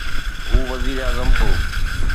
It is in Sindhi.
هو وزيراعظم هو.